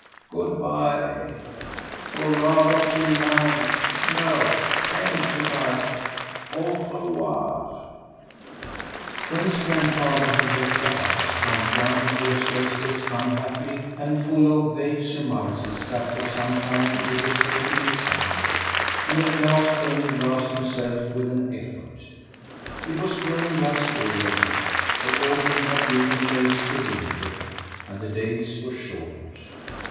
Good bye or rather till nine no, ten to night, au revoir." When his grandfather had left the house, Antoine, who was restless, unhappy, and full of vague surmises, sat for some time with his head in his hands, and at last only roused himself with an effort. It was growing dusk already, for autumn had given place to winter, and the days were short.